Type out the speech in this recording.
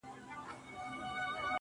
گراني دا هيله كوم.